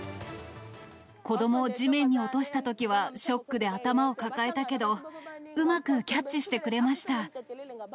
子どもを地面に落としたときはショックで頭を抱えたけど、うまくキャッチしてくれました。